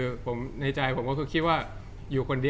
จากความไม่เข้าจันทร์ของผู้ใหญ่ของพ่อกับแม่